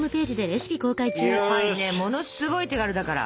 これねものすごい手軽だから。